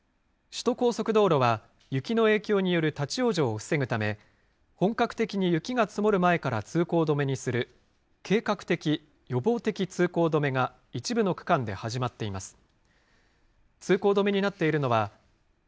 首都高速道路は雪の影響による立往生を防ぐため、本格的に雪が積もる前から通行止めにする、計画的・予防的通行止めが一部の区間で始まっています。